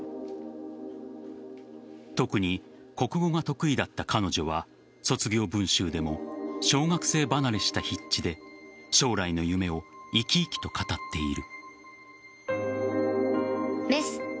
特に国語が得意だった彼女は卒業文集でも小学生離れした筆致で将来の夢を生き生きと語っている。